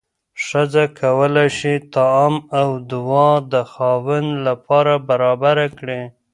ښځه کولی شي طعام او دوا د خاوند لپاره برابره کړي.